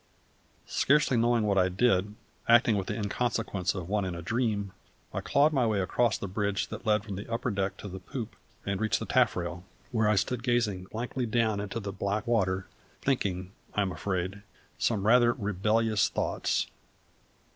Scarcely knowing what I did, acting with the inconsequence of one in a dream, I clawed my way across the bridge that led from the upper deck to the poop, and reached the taffrail, where I stood gazing blankly down into the black water, thinking, I am afraid, some rather rebellious thoughts.